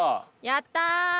やった！